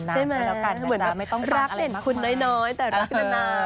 ใช่ไหมรักเด่นคุณน้อยแต่รักนาน